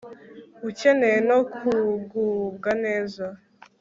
ukeneye no kugubwa neza